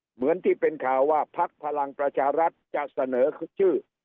เหมือนที่เป็นข่าวว่าพักพลังประชารัฐจะเสนอชื่อ